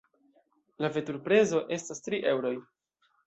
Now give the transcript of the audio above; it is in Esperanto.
La veturprezo estas tri eŭroj.